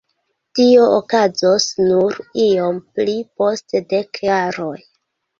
Tio okazos nur iom pli post dek jaroj.